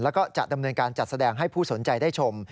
แล้วก็จะดำเนินการจัดแสดงให้ผู้สนใจได้ชม